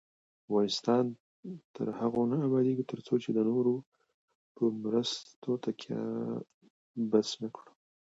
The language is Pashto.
افغانستان تر هغو نه ابادیږي، ترڅو د نورو په مرستو تکیه بس نکړو.